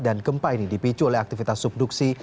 dan gempa ini dipicu oleh aktivitas subduksi